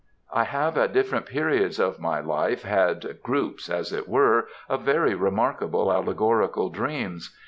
I have at different periods of my life had groups, as it were, of very remarkable allegorical dreams.